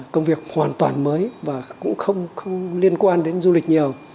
công việc hoàn toàn mới và cũng không liên quan đến du lịch nhiều